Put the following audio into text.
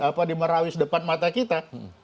apa di merawis depan mata kita